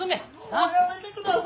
もうやめてください！